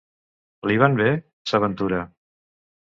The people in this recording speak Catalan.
Li van bé? —s'aventura.